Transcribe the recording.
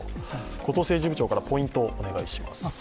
後藤政治部長からポイントをお願いします。